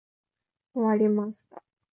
終わりました。